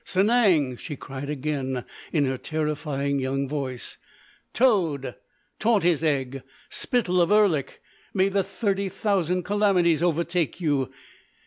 "Sanang!" she cried again in her terrifying young voice—"Toad! Tortoise egg! Spittle of Erlik! May the Thirty Thousand Calamities overtake you!